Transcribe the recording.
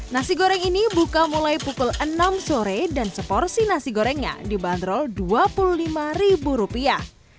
nasi goreng ini buka mulai pukul enam sore dan seporsi nasi gorengnya dibanderol dua puluh lima ribu rupiah